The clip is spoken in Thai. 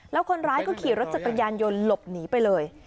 แล้วคนร้ายก็ขี่รถจักรยานยนต์หลบหนีไปเลย